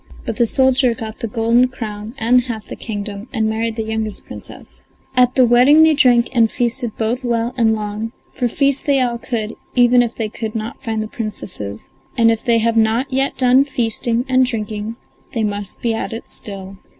But the soldier got the golden crown and half the kingdom, and married the youngest Princess. At the wedding they drank and feasted both well and long; for feast they all could, even if they could not find the Princesses, and if they have not yet done feasting and drinking they must be at it still.